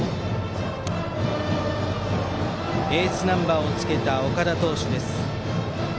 エースナンバーをつけた岡田投手です。